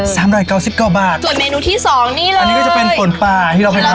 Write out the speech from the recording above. สามร้อยเก้าสิบเก้าบาทส่วนเมนูที่สองนี่เลยอันนี้ก็จะเป็นฝนปลาที่เราเคยทำ